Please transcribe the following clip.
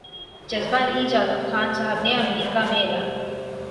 جذبہ نہیں جاگا خان صاحب نے امریکہ میں اعلان